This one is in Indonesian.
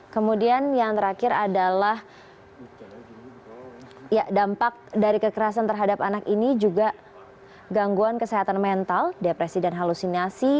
kemudian yang terakhir adalah dampak dari kekerasan terhadap anak ini juga gangguan kesehatan mental depresi dan halusinasi